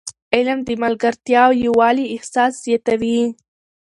علم د ملګرتیا او یووالي احساس زیاتوي.